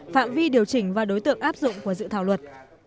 phạm vi điều chỉnh và đối tượng áp dụng của dự thảo luật